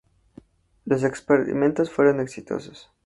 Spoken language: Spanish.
Los experimentos fueron exitosos.